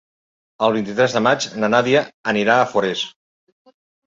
El vint-i-tres de maig na Nàdia anirà a Forès.